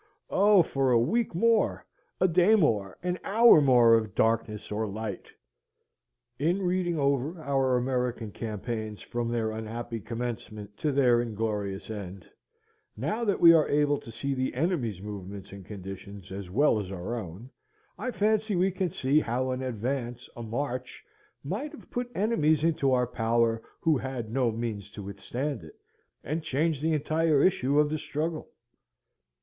Oh, for a week more! a day more, an hour more of darkness or light! In reading over our American campaigns from their unhappy commencement to their inglorious end, now that we are able to see the enemy's movements and conditions as well as our own, I fancy we can see how an advance, a march, might have put enemies into our power who had no means to withstand it, and changed the entire issue of the struggle.